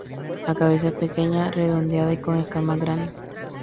La cabeza es pequeña, redondeada y con escamas grandes.